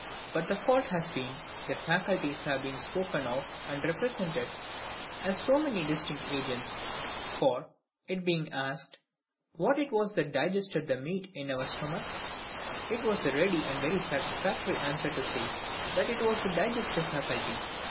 But the fault has been, that faculties have been spoken of and represented as so many distinct agents. For, it being asked, what it was that digested the meat in our stomachs? it was a ready and very satisfactory answer to say, that it was the DIGESTIVE FACULTY.